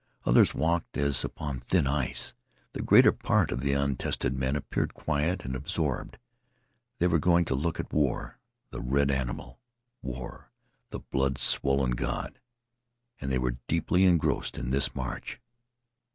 Others walked as upon thin ice. The greater part of the untested men appeared quiet and absorbed. They were going to look at war, the red animal war, the blood swollen god. And they were deeply engrossed in this march.